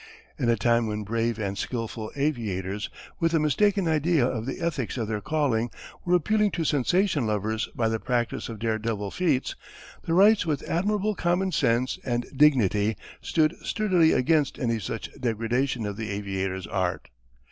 In a time when brave and skilful aviators, with a mistaken idea of the ethics of their calling, were appealing to sensation lovers by the practice of dare devil feats, the Wrights with admirable common sense and dignity stood sturdily against any such degradation of the aviator's art.